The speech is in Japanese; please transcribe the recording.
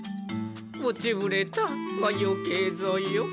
「落ちぶれた」はよけいぞよ。